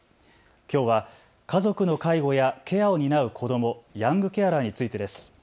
きょうは家族の介護やケアを担う子ども、ヤングケアラーについてです。